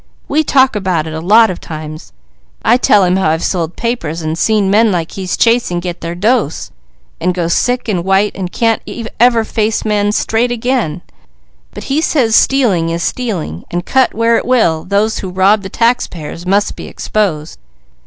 We talk about it a lot of times. I tell him how I've sold papers, and seen men like he's chasing get their dose, and go sick and white, and can't ever face men straight again; but he says stealing is stealing, and cut where it will, those who rob the taxpayers must be exposed.